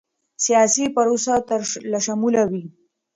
سیاسي پروسه ټولشموله وي